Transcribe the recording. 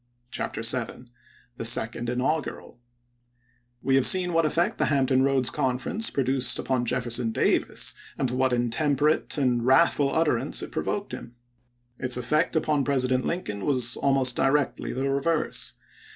CHAPTER Vn THE SECOND INAUGURAL chap, vii X/ITE have seen what effect the Hampton Roads T T Conference produced upon Jefferson Davis, and to what intemperate and wrathful utterance it provoked him. Its effect upon President Lincoln Feb., 1865. was almost directly the reverse.